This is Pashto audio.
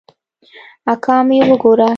اکا مې وګوره.